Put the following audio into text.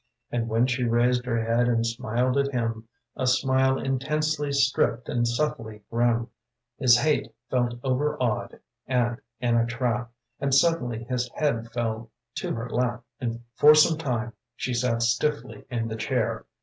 But when she raised her head and smiled at him — A smile intensely stripped and subtly grim — His hate felt overawed and in a trap, And suddenly his head fell to her lap. For some time she sat stiffly in the chair.